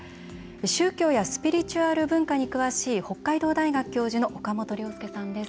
宗教やスピリチュアル文化に詳しい、北海道大学教授の岡本亮輔さんです。